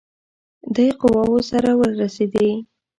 دی قواوو سره ورسېدی.